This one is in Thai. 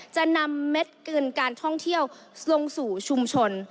จะนำเม็ดเกินการท่องเที่ยวลงสู่ชุมชน